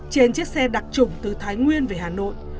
trên chiếc xe đặc trùng từ thái nguyên về hà nội